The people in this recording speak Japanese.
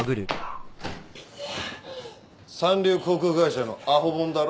三流航空会社のアホボンだろ？